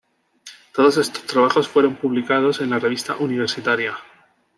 Todos estos trabajos fueron publicados en la "Revista Universitaria".